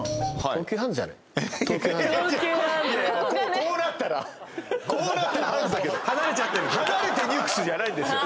こうなったらこうなったらハンズだけど離れてニュクスじゃないんですよ